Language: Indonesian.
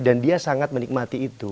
dan dia sangat menikmati itu